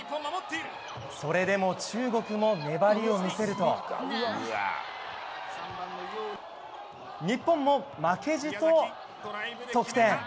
それでも中国も粘りを見せると日本も負けじと得点。